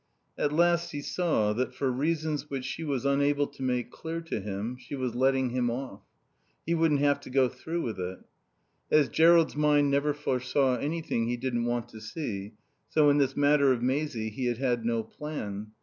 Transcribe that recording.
At last he saw that, for reasons which she was unable to make clear to him, she was letting him off. He wouldn't have to go through with it. As Jerrold's mind never foresaw anything he didn't want to see, so in this matter of Maisie he had had no plan.